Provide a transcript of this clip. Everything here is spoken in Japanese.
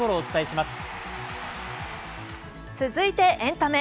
続いてエンタメ。